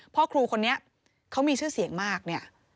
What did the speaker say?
พ่อครูคนนี้เขามีชื่อเสียงมากเนี่ย